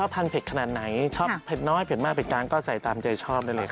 เผ็ดขนาดไหนชอบเผ็ดน้อยเผ็ดมากเผ็ดกลางก็ใส่ตามใจชอบได้เลยครับ